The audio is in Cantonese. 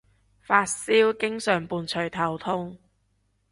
發燒經常伴隨頭痛